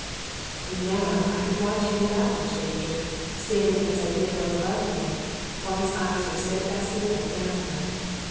And now I could watch him without much danger, standing as I did well above him, while his eyes were steadfastly bent downward.